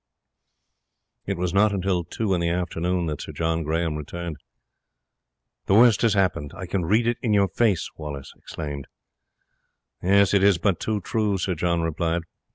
It was not until two in the afternoon that Sir John Grahame returned. "The worst has happened; I can read it in your face," Wallace exclaimed. "It is but too true," Sir John replied.